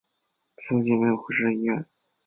附近没有适合的医院